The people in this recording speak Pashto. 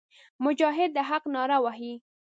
مجاهد د حق ناره وهي.